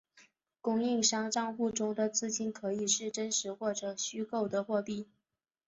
供应商帐户中的资金可以是真实或者虚构的货币。